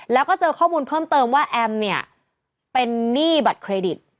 แล้วก็เจอข้อมูลเพิ่มเติมว่าแอมเนี่ยเป็นหนี้บัตรเครดิต